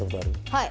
はい。